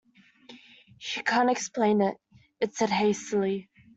‘She can’t explain it,’ it said hastily.